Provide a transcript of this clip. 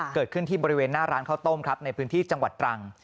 เกิดขึ้นที่บริเวณหน้าร้านข้าวต้มครับในพื้นที่จังหวัดตรัง